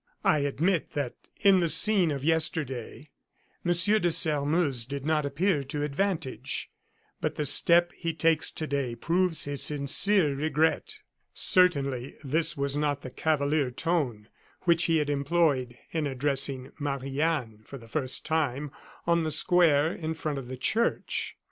I admit that in the scene of yesterday, Monsieur de Sairmeuse did not appear to advantage; but the step he takes today proves his sincere regret." Certainly this was not the cavalier tone which he had employed in addressing Marie Anne, for the first time, on the square in front of the church.